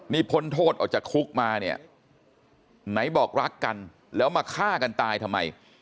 นี่พ้นโทษออกจากคุกมาเนี่ยไหนบอกรักกันแล้วมาฆ่ากันตายทำไม